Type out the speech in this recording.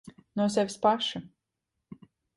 No sevis paša.